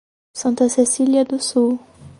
Santa Cecília do Sul